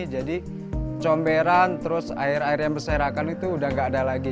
jadi comberan terus air air yang berserakan itu udah gak ada lagi